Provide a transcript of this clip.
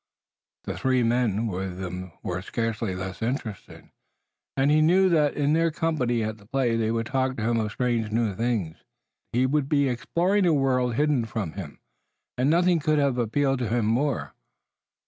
The three men with them were scarcely less interesting, and he knew that in their company at the play they would talk to him of strange new things. He would be exploring a world hidden from him hitherto, and nothing could have appealed to him more.